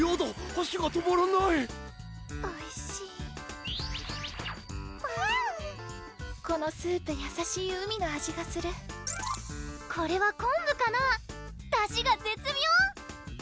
箸が止まらないおいしいこのスープ優しい海の味がするこれは昆布かなだしが絶妙！